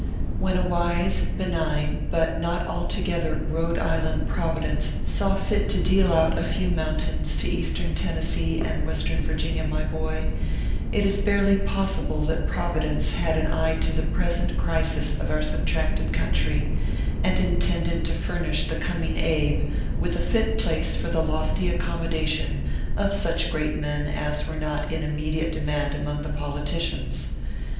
WHEN a wise, benign, but not altogether Khode Island Providence saw fit to deal out a few moun tains to Eastern Tennessee and Western Virginia, my boy, it is barely possible that Providence had an eye to the present crisis of our subtracted country, and intended to furnish the coming Abe with a lit place for the lofty accommodation of such great men as were not in immediate demand among the poli ticians.